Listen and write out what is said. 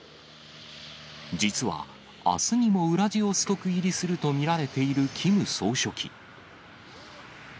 実は、あすにもウラジオストク入りすると見られているキム総書記。